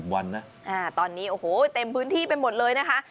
วันนะตอนนี้โอ้โหเต็มพื้นที่ไปหมดเลยนะคะ